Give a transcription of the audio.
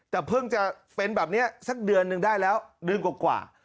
แต่เพิ่งจะเป็นแบบนี้สักเดือนนึงได้แล้วเดือนกว่า